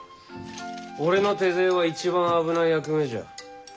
俺の手勢は一番危ない役目じゃ。